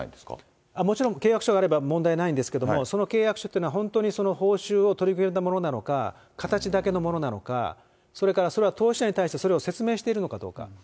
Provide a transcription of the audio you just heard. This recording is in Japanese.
もちろん、契約書があれば問題ないんですけれども、その契約書っていうのは本当にその報酬を取り決めたものなのか、形だけのものなのか、それからそれは投資者に対して、それを説明しているのかどうか。